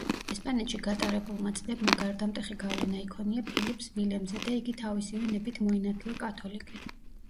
ესპანეთში გატარებულმა წლებმა გარდამტეხი გავლენა იქონია ფილიპს ვილემზე და იგი თავისივე ნებით მოინათლა კათოლიკედ.